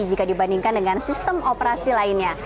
jika dibandingkan dengan sistem operasi lainnya